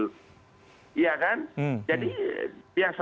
kemudian pak bapak kemudian pak bapak